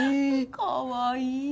かわいいね。